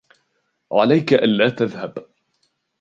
عليك ألا تذهب.